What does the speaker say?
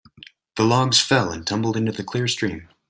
The logs fell and tumbled into the clear stream.